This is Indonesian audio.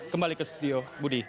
kembali ke studio budi